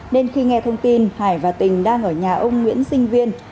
nên khi nghe thông tin hải và tình đang ở nhà ông nguyễn sinh viên